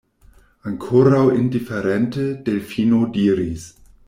Ankoraŭ indiferente, Delfino diris: